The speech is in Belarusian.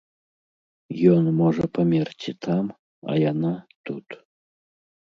Ён можа памерці там, а яна тут.